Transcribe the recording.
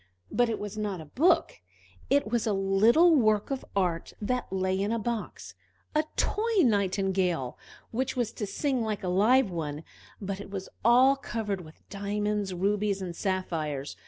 But it was not a book: it was a little work of art, that lay in a box; a toy nightingale, which was to sing like a live one, but it was all covered with diamonds, rubies, and sapphires.